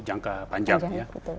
jangka panjang ya